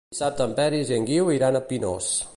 Dissabte en Peris i en Guiu iran a Pinós.